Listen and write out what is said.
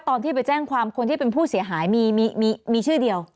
ตอนที่ไปแจ้งความคนที่เป็นผู้เสียหายมีชื่อเดียว